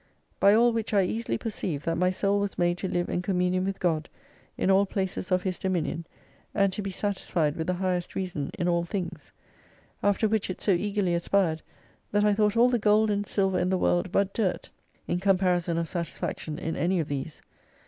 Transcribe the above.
By all which I easily perceive that my Soul was made to live in communion with God, in all places of His dominion, and to be satisfied with the highest reason in all things. After which it so eagerly aspired, that I thought all the gold and silver in the world but dirt, in comparison of satisfaction in any of these.